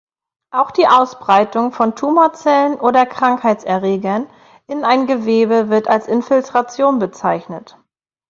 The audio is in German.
Auch die Ausbreitung von Tumorzellen oder Krankheitserregern in ein Gewebe wird als Infiltration bezeichnet.